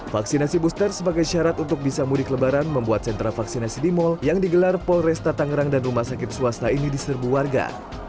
vaksinasi booster sebagai syarat untuk bisa mudik lebaran membuat sentra vaksinasi di mal yang digelar polresta tangerang dan rumah sakit swasta ini diserbu warga